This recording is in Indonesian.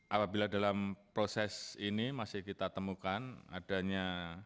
apabila dalam proses ini masih kita temukan adanya